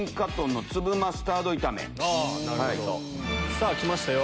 さぁ来ましたよ